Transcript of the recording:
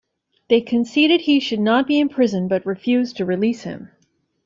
They conceded he should not be imprisoned but refused to release him.